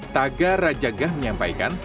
taga rajagah menyampaikan